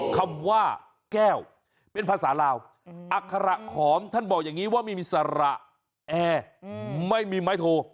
คำว่าแก้วเป็นภาษาลาวอัคระขอมท่านบอกอย่างนี้ว่าไม่มีสระแอร์ไม่มีไม้โท